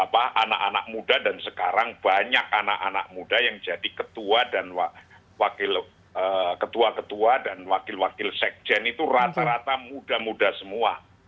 ya anak anak muda dan sekarang banyak anak anak muda yang jadi ketua dan wakil sekjen itu rata rata muda muda semua